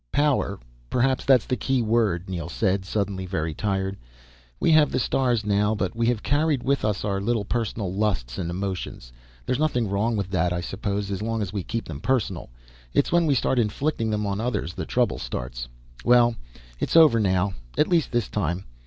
"Power, perhaps that's the key word," Neel said, suddenly very tired. "We have the stars now but we have carried with us our little personal lusts and emotions. There's nothing wrong with that, I suppose, as long as we keep them personal. It's when we start inflicting them on others the trouble starts. Well, it's over now. At least this time."